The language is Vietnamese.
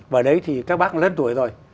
và đấy thì các bác lớn tuổi rồi